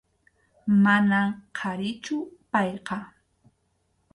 Manam qharichu payqa.